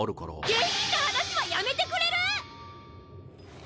下品な話はやめてくれる？